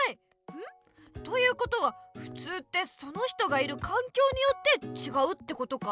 ん？ということはふつうってその人がいるかんきょうによってちがうってことか。